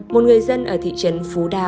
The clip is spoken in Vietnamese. một người dân ở thị trấn phú đà